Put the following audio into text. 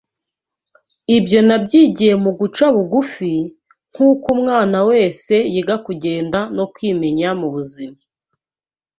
Ibyo nabyigiye mu guca bugufi, nk’uko umwana wese yiga kugenda no kwimenya mu buzima.